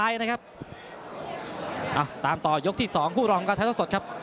ออกต่อยกที่สองผู้รองกว่าฉะสุดครับ